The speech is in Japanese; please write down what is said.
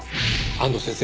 安藤先生